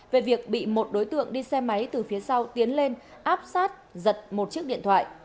về việc bị một đối tượng đi xe máy từ phía sau tiến lên áp sát giật một chiếc điện thoại